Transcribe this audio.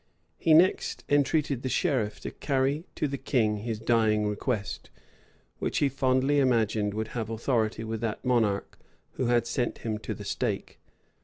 He next entreated the sheriff to carry to the king his dying request, which he fondly imagined would have authority with that monarch who had sent him to the stake.